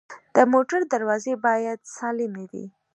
د موټر دروازې باید سالمې وي.